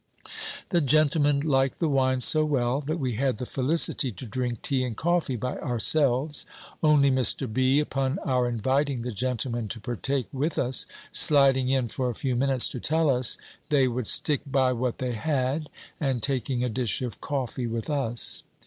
The gentlemen liked the wine so well, that we had the felicity to drink tea and coffee by ourselves; only Mr. B. (upon our inviting the gentlemen to partake with us) sliding in for a few minutes to tell us, they would stick by what they had, and taking a dish of coffee with us.